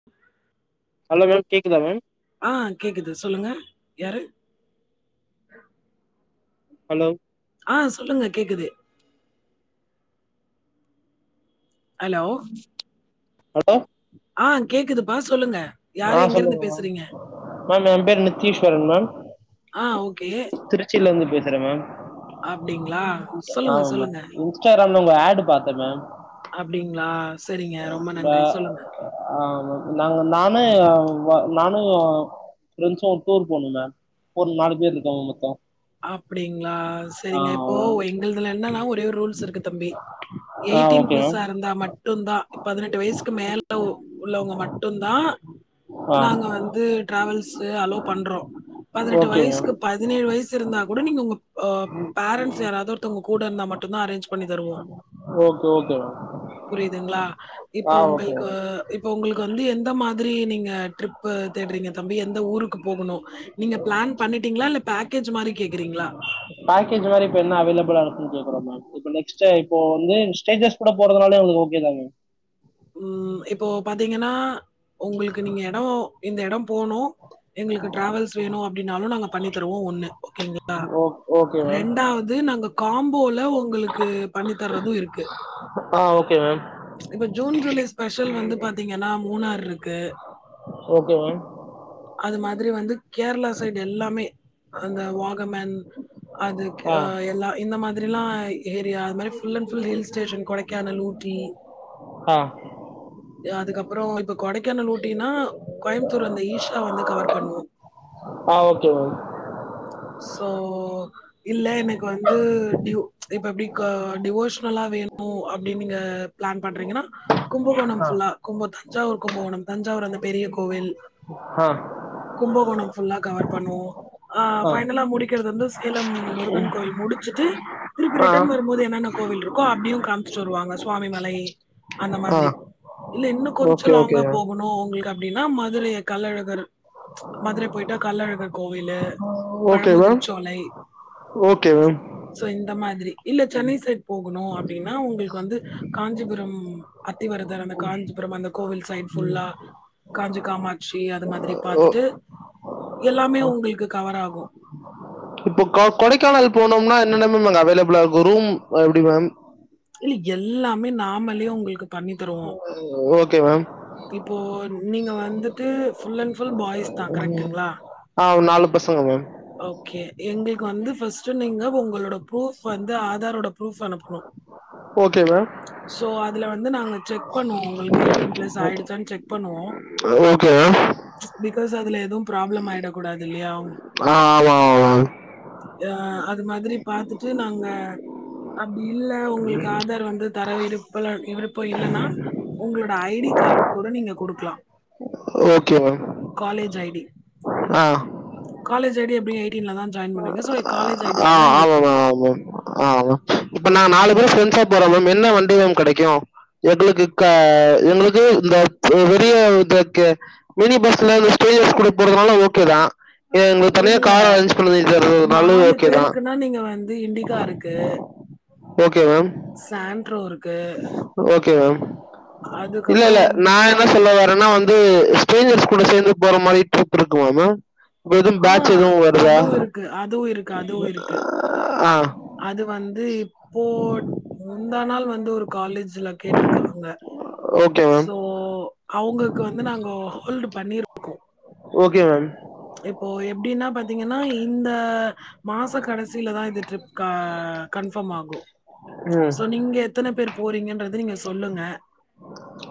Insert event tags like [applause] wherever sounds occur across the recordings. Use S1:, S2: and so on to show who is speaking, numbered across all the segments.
S1: [unintelligible]
S2: Hello ma'am கேக்குதா ma'am
S1: ஆ கேக்குது சொல்லுங்க யாரூ
S2: ஹலோ
S1: ஆ சொல்லுங்க கேக்குது ஹலோ
S2: ஹலோ
S1: ஆ கேக்துப்பா சொல்லுங்க
S2: ஆ
S1: யாரு எங்கேருந்து
S2: சொல்லுங்க
S1: பேசுறீங்க?
S2: மா மேம் ஏ பேரு நித்தீஸ்வரன் மேம்
S1: ஆ ஒகே
S2: திச்சியில இருந்து பேசுறே மேம்
S1: அப்டிங்களா சொல்லுங்க
S2: ஆமா மேம்
S1: சொல்லுங்க
S2: இன்ஸ்டாகிராம்ல உங்க ஆட் பாத்தே மேம்
S1: அப்டிங்களா செரிங்க ரொம்ப நன்றி சொல்லுங்க
S2: ஆ மு நாங் நானு ஆமு நானூ ப்ரெண்ட்ஸ்ஸா டூர் போனோ மேம் ஒரு நாலு பேர் இருகாங்க மொத்தே
S1: அப்டிங்களா சரிங்க இப்போ எங்கலுக்கு என்னன்னா ஒரே ஒரூ ரூல்ஸ் இருக்கு தம்பி
S2: ஆ
S1: எயிட்டீன்
S2: ஓகே மேம்
S1: பிளஸ்ஸா இருந்தா மட்டும் தா பதினெட்டு வயசுக்கு மேல உள்ளவங்க மட்டுந் தா
S2: ஆ
S1: நாங்க வந்து ட்ராவல்ஸ் அலோவ் பண்றோ பதினெட்டு
S2: ஓகே மேம்
S1: வயசுக்கு பதினேழு வயசு வெச்சிருந்தா கூட நீங்க உங்க பேரண்ட்ஸ் யாராவது ஒருத்தர் உங்க கூட இருந்தா மட்டுந் தா அரேஞ் பண்ணி தருவோ
S2: ஓக் கோ ஓகே மேம்
S1: புரியதுங்ளா
S2: ஆ
S1: இப்போ
S2: ஓகே
S1: உங்ள்க்கு
S2: மேம்
S1: இபோ உங்களுக்கு வந்து எந்த மாதிரி நீங்க ட்ரிப் பு தேடறீங்க தம்பி எந்த ஊருக்கு போகணு நீங்க பிளான் பண்ணிட்டீளா இல்ல பேக் அந்த மாரி கேக்கறீங்ளா
S2: பாக்கேஜ் மாதிரி இப்ப என்ன அவைலபிளா இருக்குன்னு கேக்றோ மேம் இப்ப நெக்ஸ்ட் இப்போ வந்து ஸ்டேஸ் கூட போறதுனாலே உங்களுக்கு ஓகே தானுங்க
S1: ம் இப்போ பாத்தீங்கனா உங்களுக்கு நீங்க எடம் இந்த எடம் போனோ எங்களுக்கு ட்ராவல்ஸ் வேணு அப்படின்னாலூ நாங்க பண்ணி தருவோ ஒன்னூ ஓக்கேங்ளா
S2: ஓ ஓகே மேம்
S1: இதூ நாங்க காம்போவ்ல உங்களுக்கு பண்ணி தர்றதூம் இருக்கு
S2: அப்னா ஓகே மேம்
S1: இப்ப ஜூன் ஜூலை ஸ்பெஷல் வந்து பாத்தீங்கன்னா மூணாருக்கு
S2: ஓகே மேம்
S1: அது மாதிரி வந்து கேரளா சைடு எல்லாமே அந்த வாகமேன் அது க்கு ஆ எல்லா இந்த மாதிரில்லா ஏரியா அது மாரி full and full hills station Kodaikanal, Ooty
S2: ஆ
S1: அதுக்கப்றோ இப்ப கொடைக்கானல், ஊட்டினா கோயம்த்தூர் அந்த ஈஷா வந்து கவர் பண்ணுவோ
S2: ஆ ஓகே மேம்
S1: சோ இல்ல எனக்கு வந்து டியூ இப்ப எப்டி க டிவோஷனலா வேணு அப்டின் நீங்க பிளான் பண்றீங்கன்னா கும்பகோணம்
S2: ஆ
S1: ஃபுல்லா கும்ப தஞ்சாவூர் கும்பகோணம் தஞ்சாவூர் அந்த பெரிய கோவில்
S2: ஆ
S1: கும்பகோணம் ஃபுல்லா கவர் பண்ணுவோ ஆ ஃபைனலா முடிக்கறது வந்து சேலம் முருகன் கோயில் முடிச்சுட்டு திருப்பி
S2: ஆ
S1: ரிட்டன் வரும்போது என்னென்ன கோவில் இருக்கு அப்டியும் காமிச்சிட்டு வருவாங்க சுவாமி மலை அந்த
S2: ஆ
S1: மாதிரி இல்ல இன்னு கொஞ்சோ
S2: ஓகே ஓகே
S1: லாங்கா
S2: மேம்
S1: போகணு உங்களுக்கு அப்டின்னா மதுரை கள்ளழகர் மதுரை போயிட்டா கள்ளழகர் கோவிலு
S2: okay ma'am
S1: Pazhamudircholai
S2: okay ma'am
S1: so இந்த மாதிரி இல்ல சென்னை சைட் போகுணு அப்டின்னா உங்களுக்கு வந்து காஞ்சிபுரம் அத்திவரதர் அந்த காஞ்சிபுரம் அந்த கோவில் சைட் ஃபுல்லா காஞ்சி காமாட்சி அது மாதிரி
S2: ஓ
S1: பாத்துட்டு எல்லாமே உங்ளுக்கு கவர் ஆகு
S2: இப்போ க கொடைக்கானல் போனோம்னா என்னென்ன மேம் அங்க அவைலெபிளா இருக்கு ரூம் எப்டி மேம்
S1: இல்ல எல்லாமே நாமலே உங்களுக்கு பண்ணி தருவோ
S2: ஓகே மேம்
S1: இப்போ நீங்க வந்துட்டு ஃபுல் அண்ட் ஃபுல் பாய்ஸ்தா கரெக்ட்டுங்ளா
S2: ஆ நாலு பசங்க மேம்
S1: ஓகே எங்ளுக்கு வந்து ஃபர்ஸ்ட்டு நீங்க உங்களோட ப்ரூஃப் வந்து ஆதாரோட ப்ரூஃப் அனுப்பணு
S2: ஓகே மேம்
S1: சோ அதுல வந்து நாங்க செக் பண்ணுவோ உங்களுக்கு எயிட்டீன் பிளஸ் ஆயிடுச்சான்னு செக் பண்ணுவோ
S2: அ ஓகே
S1: பிக்காஸ் அதுல எதுவும் ப்ராப்ளம் ஆயிடக் கூடாது இல்லையா
S2: ஆ ஆமாமா மேம்
S1: ஆ அது மாதிரி பாத்துட்டு நாங்க அப்டி இல்ல உங்களுக்கு ஆதார் வந்து தர விருப்பல்ல விருப்போ இல்லனா உங்களோட ஐ டி கார்டு கூட நீங்க குடுக்கலா
S2: ma'am okay ma'am
S1: college I D
S2: ஆ
S1: காலேஜ் ஐடி அப்டி எய்டின்லதா ஜாயின் பண்ணுவீங்க சோ
S2: ஆ ஆமா மேம் ஆ ஆமா இப்ப நாங்க நாளு
S1: ஓகேங்களா
S2: பேரு ஃரெண்ட்ஸா இப்ப நம் நம்ப என்ன வண்டி மேம் கடைக்கும் எங்களுக்கு ஆ எங்களுக்கு இந்த பெரிய [unintelligible] மினி பஸ்ல எது ஃப்ரீ பஸ் குடுத்து போறதுல ஓகேதா ஏ உங்களுக்கு தனியா கார் அரேஞ்ச் [unintelligible]
S1: பேருக்குனா நீங்க வந்து இண்டிகா இருக்கு
S2: okay ma'am
S1: Santro
S2: okay ma'am இல்ல இல்ல
S1: அதுக்கப்புறம்
S2: நா
S1: வந்துட்டு
S2: என்ன சொல்ல வர்றன்னா வந்து
S1: ம்,
S2: ஸ்ட்ரேஞ்சர்ஸ் கூட சேரந்து போற மாரி ட்ரிப் இருக்குமா மேம் எதும்
S1: ஆ
S2: பேட்ச் எதுவும் வருதா
S1: அதுவும் இருக்கு அதுவும் இருக்கு அதுவும் இருக்கு
S2: ஆ
S1: அது வந்து இப்போ முந்தா நாள் வ வந்து ஒரு காலேஜ்ல கேட்ருக்காங்க
S2: ஓகே மேம்
S1: சோ அவுங்களுக்கு வந்து நாங்க ஹோல்டு பண்ணிருக்கோ
S2: ஓகே மேம்
S1: இப்போ எப்டின்னா பாத்தீங்கன்னா இந்த மாச கடைசில தான் இது ட்ரி கா கன்ஃபாம் ஆகும்
S2: ம்
S1: சோ நீங்க எத்தன பேர் போறீங்கன்றது நீங்க சொல்லுங்க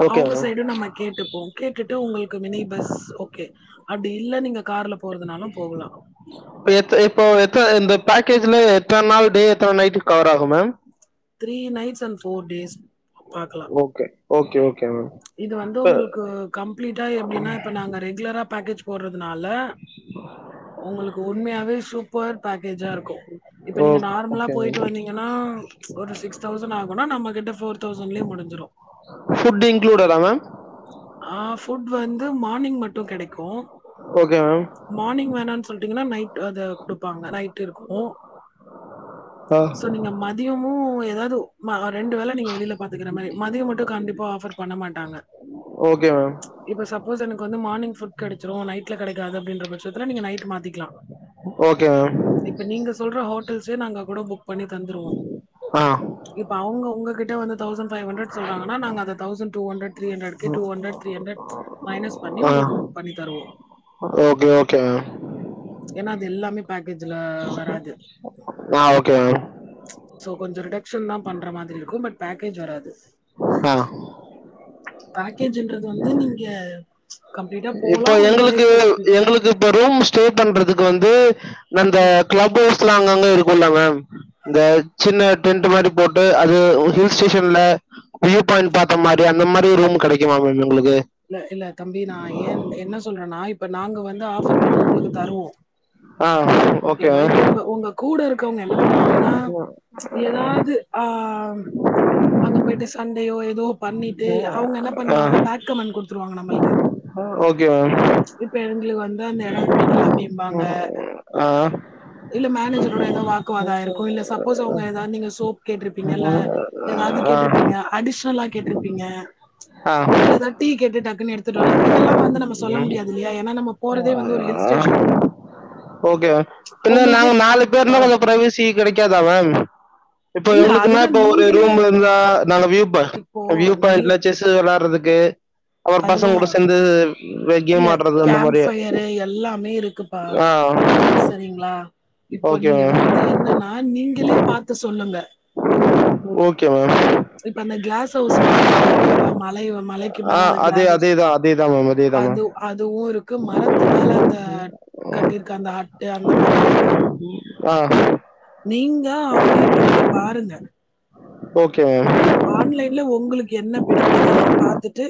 S2: ஓகே
S1: அவுங்க
S2: மேம்
S1: சைடும் நம்ம கேட்டுப்போ கேட்டுட்டு உங்களுக்கு மினி பஸ் ஓகே அப்டி இல்ல நீங்க கார்ல போறதுனாலும் போகலா
S2: எத்த இப்போ எத்த இந்த பேக்கேஜ்ல எத்தன நாள் டே எத்தன நைட்டு கவர் ஆகும் ma'am
S1: three nights and four days பாக்கலா
S2: ஓகே ஓகே ஓகே மேம்
S1: இது வந்து
S2: சார்
S1: உங்களுக்கு கம்ப்ளீட்டா எப்டின்னா இப்ப நாங்க ரெகுலரா பேக்கேஜ் போறதுனால உங்களுக்கு உண்மையாவே சூப்பர் பேக்கேஜா இருக்கோ இப்போ நீங்க நார்மலா
S2: ஓகே மேம்
S1: போயிட்டு வந்தீங்கன்னா ஒரு சிக்ஸ் தௌசண் ஆகுனா நம்ம கிட்ட ஃபோர் தௌசண்ட்லேயே முடிஞ்சிடு
S2: ஃபுட் இன்க்ழுடடா மேம்
S1: ஆ ஃபுட் வந்து மார்னிங் மட்டும் கெடைக்கு
S2: ஓகே மேம்
S1: மார்னிங் வேணானு சொல்டீங்கன்னா நைட் அது குடுப்பாங்க நைட் இருக்கோ
S2: ஆ
S1: சோ நீங்க மதியமும் ஏதாது மா ரெண்டு வேல நீங்க வெளில பாத்துகிற மாரி மதியம் மட்டும் கண்டிப்பா ஆஃபர் பண்ண மாட்டாங்க
S2: ஓகே மேம்
S1: இப்போ சப்போஸ் எனக்கு வந்து மார்னிங் ஃபுட் கெடச்சுடும் நைட்ல கெடைக்காது அப்டின்ற பட்சத்துல நீங்க நைட்டு மாத்திகலா
S2: ஓகே மேம்
S1: இப்போ நீங்க சொல்ற ஹோட்டல்ஸே நாங்க கூட புக் பண்ணி தந்துருவோம்
S2: ஆ
S1: இப்ப அவுங்க உங்ககிட்ட வந்து தௌசண்ட் ஃபைவ் ஹண்ட்ரட் சொல்றாங்கன்னா நாங்க அத thousand two hundred three hundred two hundred three hundred minus பண்ணி
S2: ஆ
S1: உங்களுக்கு புக் பண்ணி தருவோம்.
S2: ஓகே ஓகே மேம்
S1: ஏன்னா அது எல்லாமே பேக்கேஜ்ல வராது
S2: ஆ ஓகே மேம்
S1: சோ கொஞ்சம் ரிடக்ஷன் தான் பண்ற மாதிரி இருக்கும் பட் பேக்கேஜ் வராது
S2: ஆ
S1: பேக்கேஜுன்றது வந்து நீங்க கம்ப்ளீட்டா
S2: இப்ப
S1: போலாம். ஒரு
S2: எங்களுக்கு
S1: பிரேக்ஃபாஸ்ட் ஃப்ரீ.
S2: எங்களுக்கு இப்ப ரூம் ஸ்டே பண்றதுக்கு வந்து அந்த
S1: ம்.
S2: கிளப் ஹவுஸ்லா அங்கங்க இருக்குல மேம் இந்த சின்ன டென்ட் மாரி போட்டு அது ஹில் ஸ்டேஷன்ல வியூ பாயிண்ட் பாத்த மாரி அந்த மாரி ரூம் கெடைக்குமா மேம் எங்களுக்கு
S1: இல்ல இல்ல தம்பி நா ஏ என்ன சொல்றன்னா இப்ப நாங்க வந்து ஆஃபர் பண்ணி உங்களுக்கு தருவோ
S2: ஆ ஓகே
S1: ஓகேங்களா
S2: மேம்
S1: இப்ப உங்க உங்க கூட இருக்கவங்க என்ன பண்ணுவாங்கனா எதாது ஆ அங்க போயிட்டு சண்டேயோ ஏதோ பண்ணிட்டு
S2: மேம்
S1: அவங்க என்ன
S2: ஆ
S1: பண்ணிடுவாங்கனா பேட் கமென்ட் குடுத்துருவாங்க நம்மளுக்கு
S2: ஓகே மேம்
S1: இப்ப எங்ளுக்கு வந்து அந்த எடம் பிடிக்கல அப்டிம்பாங்க
S2: அ
S1: இல்ல மேனேஜரோட ஏதோ வாக்குவாத ஆயிருக்கு இல்ல சப்போஸ் அவங்க எதாவது நீங்க சோப் கேட்ருப்பிங்க இல்ல
S2: ஆ
S1: எதாவது
S2: ஆ
S1: கேட்டிருப்பீங்க அடிஷ்னலா கேட்டிருப்பீங்க
S2: ஆ
S1: இல்லனாட்டி கேட்டு டக்குன்ன எடுத்துட்டு வரலா இதெல்லாம் வந்து நம்ம சொல்ல
S2: ம்.
S1: முடியாதுல்லையா ஏன்னா நம்ப
S2: ஆ ஓகே இல்ல நாங்க
S1: உங்களுக்கே
S2: நாலு பேர்னா கொஞ்சம் பிரிவிஸ் ச்சி கெடைக்காதா மேம் இப்ப
S1: இல்ல
S2: எங்களுக்குனா
S1: அதுதான்
S2: இப்ப ஒரு
S1: நீங்களே
S2: ரூம்ல இருந்தா நாங்க வூ
S1: இப்போ
S2: வியூ
S1: நீ
S2: பாயிண்ட்ல செஸ் ஏதாவது வெளையாடறதுக்கு அவர் பசங்க
S1: அதுதான்
S2: கூட சேந்து வெக்க மாட்டுறது அந்த மாதிறியா
S1: து எல்லாமே இருக்குப்பா சரிங்ளா இப்ப
S2: ஓகே
S1: நீங்க
S2: மேம்
S1: வந்து என்னனா அ நீங்களே பாத்து சொல்லுங்க
S2: ஓகே மேம்
S1: இப்ப அந்த கிளாஸ் ஹவுஸ் மாரி இருக்கும் பாத்திங்ளா மலைய மலைக்கு மேல அந்த கிளாஸ் ஹவுஸ்
S2: அதேதா மேம் அதே தான் மேம்
S1: அது அதுவு இருக்கு மரத்து மேல அந்த கட்டிருக்க அந்த அட்டு அந்த மாரியு இருக்கு
S2: ஆ
S1: நீங்க ஆன்லைன்ல நீங்க பாருங்க
S2: ஓகே மேம்
S1: ஆன்லைன்ல உங்களுக்கு என்ன பிடிக்குது பாத்துட்டு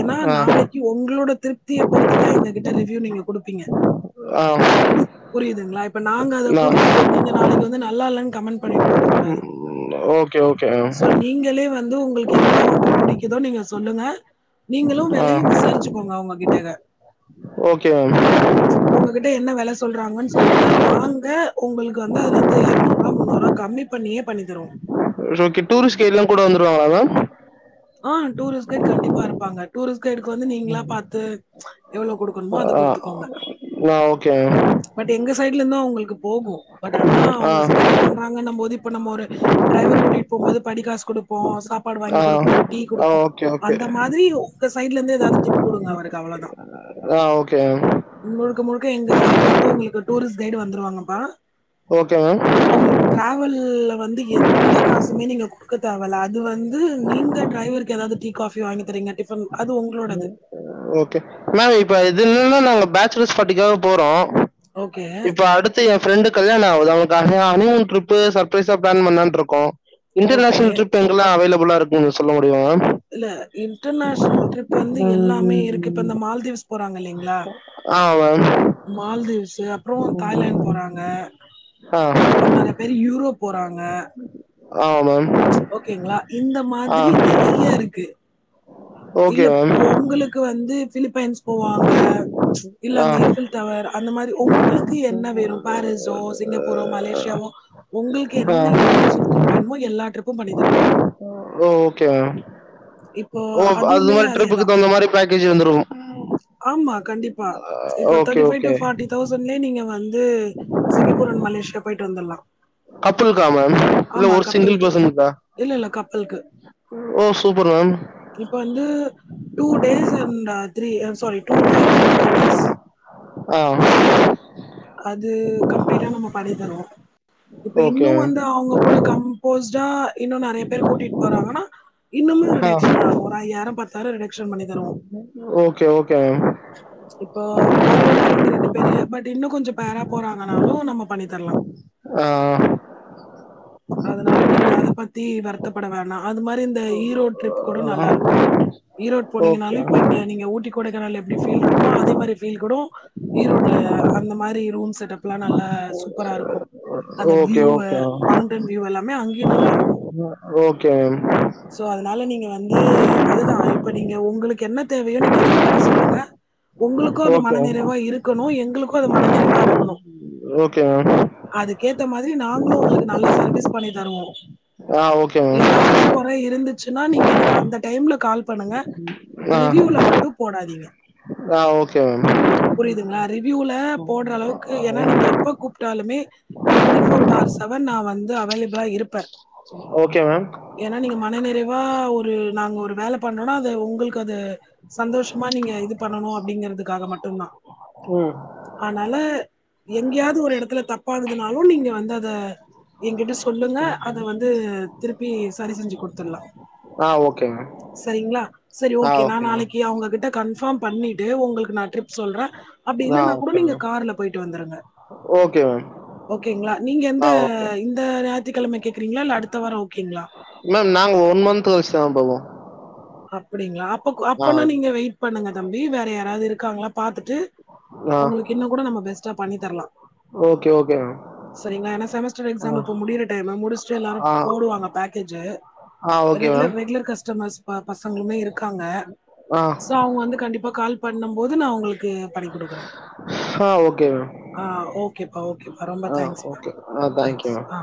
S1: ஏன்னா
S2: ஆ
S1: நாளைக்கு உங்களோட திருப்திய பொறுத்துதா எங்க கிட்ட ரிவ்யு நீங்க குடுப்பிங்க
S2: ஆ
S1: புரியுதுங்ளா இப்ப நாங்க அத
S2: நான்
S1: குடுத்துட்டு நீங்க நாளைக்கு வந்து நல்லா இல்லன் கமெண்ட் பண்ணிட்டு போயிட கூடாது
S2: ம் ஓகே ஓகே மேம்
S1: நீங்களே வந்து உங்களுக்கு என்ன ஹோட்டல் பிடிக்குதோ நீங்க சொல்லுங்க நீங்களு
S2: ஆ
S1: வெலையு விசாரிச்சு கோங்க அவங்க கிட்ட அத
S2: ஓகே மேம்
S1: உங்க கிட்ட என்ன வெல சொல்றாங்கன் சொல்லுங்க நாங்க உங்களுக்கு வந்து அதுல இருந்து எரநூறுபா முன்னூறுபா கமி பண்ணியே பண்ணி தருவோ
S2: ஓகே டூரிஸ்ட் கைடுலா கூட வந்துருவாங்ளா மேம்
S1: ஆ டூரிஸ்ட் கைட் கண்டிப்பா இருப்பாங்க டூரிஸ்ட் கைடுக்கு வந்து நீங்களா பாத்து எவ்ளோ குடுக்க
S2: ஆ ஆ ஓகே மேம்
S1: பட் எங்க சைட்ல இருந்து அவங்களுக்கு போகு பட் ஆனா
S2: ஆ
S1: அவங்க ஸ்பெண்ட் பண் றாங்கனும் போது இப்ப நம்ம ஒரு டிரைவர் கூட்டிட்டு போம் போது படி காசு குடுப்போ சாப்பாடு வாங்கி
S2: ஆ
S1: குடுப் ஒரு டீ
S2: ஆ
S1: குடுப்போ
S2: ஓகே
S1: அந்த
S2: ஓகே
S1: மாதிரி உங்க சைட்ல இருந்து ஏதாது டிப் குடுங்க அவருக்கு அவ்வளோதான்.
S2: ஆ ஓகே மேம்
S1: முழுக்க முழுக்க எங்க சைட்ல இருந்து உங்களுக்கு டூரிஸ்ட் கைடு வந்துருவாங்கப்பா
S2: ஓகே மேம்
S1: ல வந்து எந்த காசுமே நீங்க குடுக்க தேவல்ல அது வந்து நீங் க டிரைவருக்கு எதாவது டீ காஃபி வாங்கி தரிங்க டிஃபன் அது உங்களோடது
S2: ஓக்கே மேம் இப்ப இது என்னன்னா நாங்க பேச்சுலர்ஸ் பார்டிக்காக போறோ
S1: ஓகே,
S2: இப்ப அடுத் அடுத்து என் ப்ஃரெண்டு கல்யாண ஆவுது அவுனுக்கு ஹனிமூன் ட்ரிப் சப்ரைஸா பிளான் பண்ணான்ருக்கோ
S1: ஓகே.
S2: இன்ர்நேஷனல் ட்ரிப் எங்கெல்லா அவைலெபில்லா இருக்குன் சொல்ல முடியமா மேம்
S1: இல்ல இன்டர்நேஷ்னல் ட்ரிப் வந்து எல்லாமே இருக்கு இப்ப இந்த மால்தீவ்ஸ் போறாங்கல்லிங்களா
S2: ஆ மேம்
S1: மல்தீவ்ஸ்ஸு அப்ற தாய்லேன் போறாங்க
S2: ஹா
S1: அப்புற நறைய பேரு யூரோப் போறாங்க
S2: ஆமா மேம்
S1: ஓக்கேங்களா இந்த
S2: ஆ
S1: மாதிரி நெறைய இருக்கு.
S2: ஓகே
S1: இல்லப்
S2: மேம்
S1: உங்களுக்கு வந்து ஃபிலிப்பைன்ஸ் போவாங்க இல்ல
S2: ஆ
S1: அந்த ஈஃபிள் தவர், அந்த மாரி ஒங்களுக்கு என்ன வேணும் பாரிஸ்ஸோ சிங்கப்பூரோ மலேசியாவோ?. உங்களுக்கு
S2: ஆ
S1: என்ன இன்ர்நேஷனல் ட்ரிப் வேன்மோ எல்லா ட்ரிப்பு பண்ணிதருவோ
S2: ஓக்கே மேம்
S1: இப்போ
S2: ஓ ப்ப அது
S1: அதுவுமே
S2: மாரி ட்ரிப்புக்கு தவுந்த மாரி பேக்கேஜ்ஜு வந்துரூ
S1: ஆம்மா கண்டிப்பா? இப்ப
S2: okay
S1: thirty five
S2: okay
S1: to forty. தௌசண்லே, நீங்க வந்து சிங்கப்பூர் அண்ட் மலேசியா பொய்ட்டு வந்துற்ல்லா
S2: கப்புல்கா மேம் இல்ல, ஒரு சிங்கிள்
S1: கப்பலுக்கு
S2: பெர்சன்க்கா.
S1: இல்ல இல்ல கப்பலுக்கு
S2: ஓ. சூப்பரு மேம்
S1: இப்ப வந்து two days and three sorry two night and three days.
S2: அ
S1: அது கம்ப்ளீட்டா? நம்ம பண்ணி தருவோ. இப்ப இன்னு
S2: ஓகே
S1: வந்து
S2: மேம்
S1: அவுங்க கூட கம்போஸ்ட்டா இன்னு நறைய பேர் கூட்டிட் போறாங்கன்னா? இன்னுமே ஒரு
S2: ஆ
S1: ஷ ஒரு ஐயாயிர பத்தாயிர ரிடக்ஷன் பண்ணி தருவோ
S2: ஓக்கே ஓக்கே மேம்
S1: ச்.. இப்போ போறவுங்க இவுங்க ரெண்டுப்பேரு பட் இன்னு கொஞ்ச பேரா போறாங்கன்னாலு நம்ம பண்ணித்தர்லா
S2: ஆ
S1: அதுனால நீங்க அத பத்தி வருத்தப்பட வேணா. அது மாரி இந்த ஈரோட் ட்ரிப் கூட நல்லாருக்கு ஈரோட்
S2: ஓகே ஓகே
S1: போனீங்கன்னாலே இப்ப இங்க நீங்க! ஊட்டிக் கொடைக்கானல்ல எப்டி ஃபீல்ருக்குமோ?. அதே மாரி ஃபீல் கூடு ஈரோட்ல, அந்த மாரி ரூம் செட்டப்ல்லா நல்லா சூப்பராருக்கு. அந்த
S2: ஓகே
S1: வியூவ மவுண்டென் வியூஎல்லாமே அங்யு நல்லார்க்கூ
S2: ஓக்கே. மேம்
S1: ஸோ அதுனால நீங்கள் வந்து அதுதா இப்ப நீங்க உங்களுக்கு என்ன தேவயோ? நீங்க அத எங்கிட்ட சொல்லுங்க உங்ளுக்கு அது
S2: ஓகே
S1: மனநிறைவா இருக்கணு. எங்குளுக்கும் அது மனநிறைவா இருக்குணு
S2: ஓகே மேம்
S1: அதுக்கேத்த மாதிரி நாங்குளு உங்களுக்கு நல்ல சர்வீஸ் பண்ணிதருவோ.
S2: ஆ ஓகே மேம்
S1: எதாவ்து கொ ற இருந்துச்சுன்னா? நீங்க எனக்கு அந்த டைம்ல கால் பண்ணுங்க.
S2: ஆ
S1: ரிவிய்யூல மட்டு போடாதீங்க?.
S2: ஆ ஓகே மேம்
S1: புரியுதுங்களா? ரிவ்யூல போட்ற அளவுக்கு என்னா! நீங்க எப்போ கூப்பபிட்டாலுமே ட்வெண்ட்டி ஃபோர் பார் சவன். நா வந்து அவைலபிளா இருப்ப
S2: ஓக்கே. மேம்
S1: என்னா! நீங்க மனநிறைவா ஒரு நாங்க ஒரு வேல பண்றோன்னா? அத உங்களுக்கு அத சந்தோஷ்மா! நீங்க இது பண்ணணு அப்டிங்கறதுக்காக மட்டுந்தா
S2: ஹிம்..
S1: ஆனால எங்கேயாவது ஒரு இடத்துல தப்பாகுதுனாலு நீங்க வந்து அத ஏகிட்ட சொல்லுங்க அத வந்து திருப்பி சரி செஞ்சு கொடுத்துட்லா
S2: ஆ ஓகே மேம்
S1: சரிங்களா செரி
S2: ஆ
S1: ஓகே நா
S2: மேம்
S1: நாளைக்கு அவுங்ககிட்ட கன்ஃபார்ம் பண்ணிட்டு உங்களுக்கு நா ட்ரிப் சொல்றே அப்டி
S2: ஆ
S1: இல்லைன்னா கூட
S2: ஓகே
S1: நீங்க
S2: மேம்
S1: கார்ல போய்ட்டு வந்துருங்க
S2: ஓகே மேம்
S1: நீங்க எந்த
S2: ஆ ஓகே
S1: இந்த ஞாயித்துக்கெழம கேக்குறீங்களா அடுத்த வாரம் ஓகேங்ளா
S2: மேம் நாங்க ஒன் மந்த் [unintelligible] போவோ
S1: அப்டிங்களா அப்ப அப்பனா நீங்க வெயிட் பண்ணுங்க தம்பி வேற யாராவது இருக்காங்ளா பாத்துட்டு
S2: ஆ
S1: உங்களுக்கு இன்னு கூட நம்ம பெஸ்ட்டா பண்ணி தரலா
S2: ஓகே ஓகேங்க
S1: சரிங்களா ஏன்னா செமஸ்டர் எக்ஸாமு இப்ப முடியற டைம் முடிச்சுட்டு எல்லாரும்
S2: ஆ
S1: போடுவாங்க பேக்கேஜு
S2: ஆ okay ma'am
S1: regular regular customers பசங்களுமே இருக்காங்க
S2: ஆ
S1: தோ அவுங்க வந்து கண்டிப்பா கால் பண்ணம் போது நா உங்களுக்கு பண்ணி குடுக்குறே
S2: ஆ ஓகே மேம்
S1: ஆ ஓகேபா ஓகேபா ரொம்ப
S2: ஆ
S1: தங்க்ஸ்பா
S2: ஓகே ஆ
S1: தே
S2: தேங்க்யூ மேம்
S1: ஆ